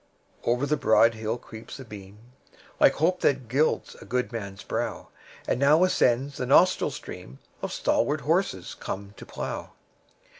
Over the broad hill creeps a beam, Like hope that gilds a good man's brow; 10 And now ascends the nostril stream Of stalwart horses come to plough.